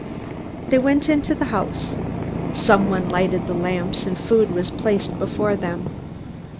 They went into the house. Someone lighted the lamps, and food was placed before them.